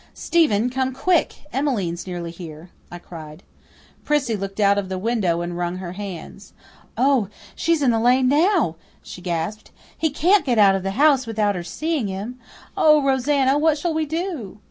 "Stephen, come quick! Emmeline's nearly here," I cried. Prissy looked out of the window and wrung her hands. "Oh, she's in the lane now," she gasped. "He can't get out of the house without her seeing him. Oh, Rosanna, what shall we do?"